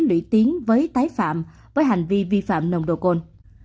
lũy tiến với tái phạm với hành vi vi phạm nồng độ cồn